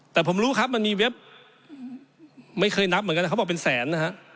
แต่ผมรู้มันเว็บไม่เคยนับเหมือนกันเขาบอกเป็นแสน